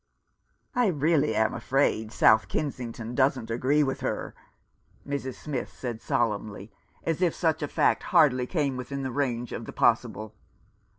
" I really am afraid South Kensington doesn't agree with her," Mrs. Smith said solemnly, as if such a fact hardly came within the range of the possible.